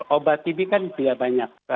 obat tv kan tidak banyak